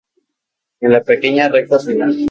En la pequeña recta final.